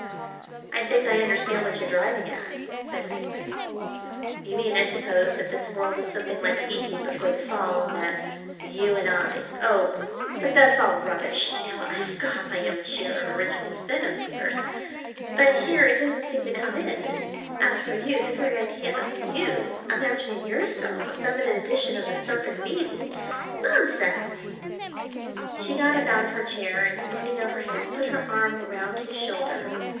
"I think I understand what you're driving at," said Redgrave; "you mean, I suppose, that this world is something like Eden before the fall, and that you and I oh but that's all rubbish you know. I've got my own share of original sin, of course, but here it doesn't seem to come in; and as for you, the very idea of you imagining yourself a feminine edition of the Serpent in Eden. Nonsense!" She got up out of her chair and, leaning over his, put her arm round his shoulder.